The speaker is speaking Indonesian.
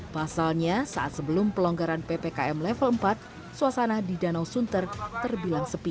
pasalnya saat sebelum pelonggaran ppkm level empat suasana di danau sunter terbilang sepi